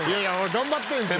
頑張ってるんですよ。